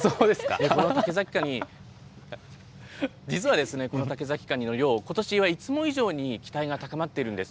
この竹崎カニ、実はですね、この竹崎ガニの漁、ことしはいつも以上に期待が高まっているんです。